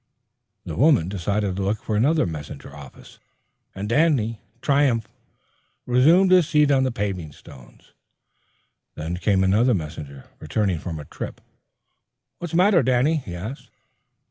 The woman decided to look for another messenger office, and Danny, triumphant, resumed his seat on the paving stones. Then came another messenger, returning from a trip. "What's the matter, Danny?" he asked.